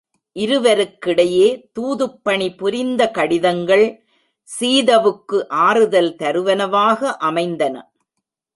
இருவருக்கிடையே தூதுப்பணி புரிந்த கடிதங்கள், சீதவுக்கு ஆறுதல் தருவனவாக அமைந்தன.